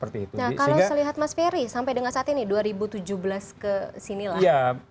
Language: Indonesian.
kalau saya lihat mas ferry sampai saat ini dua ribu tujuh belas ke sini